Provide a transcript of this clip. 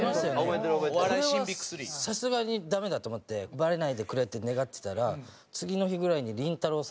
これはさすがにダメだと思ってバレないでくれって願ってたら次の日ぐらいにりんたろー。